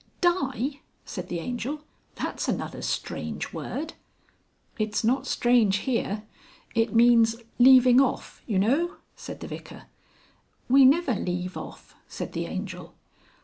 "Die!" said the Angel. "That's another strange word!" "It's not strange here. It means leaving off, you know," said the Vicar. "We never leave off," said the Angel.